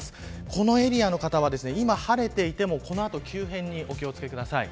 このエリアの方は、今晴れていてもこの後、急変にご注意ください。